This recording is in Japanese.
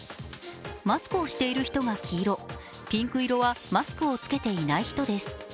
マスクをしている人が黄色、ピンク色はマスクを着けていない人です。